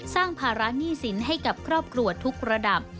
ภาระหนี้สินให้กับครอบครัวทุกระดับ